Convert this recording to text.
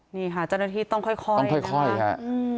นี่ค่ะจณฐีต้องค่อยครับ